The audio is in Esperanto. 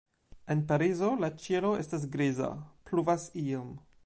En Parizo la ĉielo estas griza, pluvas iom.